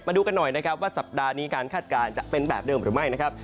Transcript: ดูกันหน่อยนะครับว่าสัปดาห์นี้การคาดการณ์จะเป็นแบบเดิมหรือไม่นะครับ